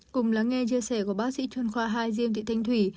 cùng lắng nghe chia sẻ của bác sĩ truyền khoa hai diêm thị thanh thủy